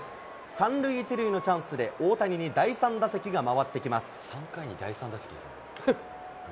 ３塁１塁のチャンスで大谷に第３打席が回ってきます。